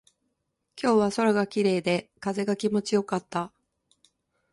今日は空が綺麗で、風が気持ちよかった。